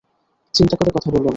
চিন্তা করে কথা বলুন।